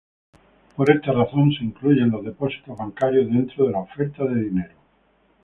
Por esta razón se incluyen los depósitos bancarios dentro de la oferta de dinero.